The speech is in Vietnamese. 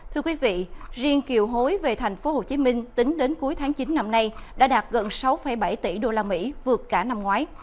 thưa quý vị riêng kiều hối về thành phố hồ chí minh tính đến cuối tháng chín năm nay đã đạt gần sáu bảy tỷ usd vượt cả năm ngoái